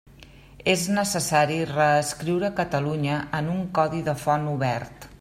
És necessari reescriure Catalunya en un codi de font obert.